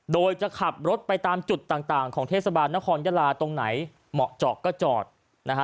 โดยจะขับรถไปตามจุดต่างต่างของเทศบาลนครยาลาตรงไหนเหมาะเจาะก็จอดนะฮะ